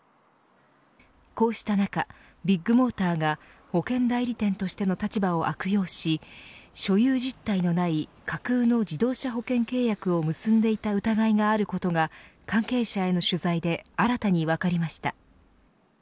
こうした中、ビッグモーターが保険代理店としての立場を悪用し所有実態のない架空の自動車保険契約を結んでいた疑いがあることが関係者への取材で新たに分かりました。